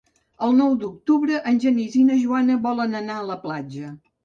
El nou d'octubre en Genís i na Joana volen anar a la platja.